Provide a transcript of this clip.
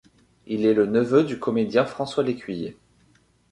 Il est le neveu du comédien François L'Écuyer.